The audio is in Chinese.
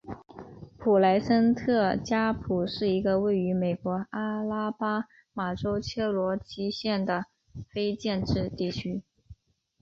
普莱森特加普是一个位于美国阿拉巴马州切罗基县的非建制地区。